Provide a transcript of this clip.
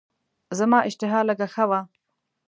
زما اشتها لږه ښه وه.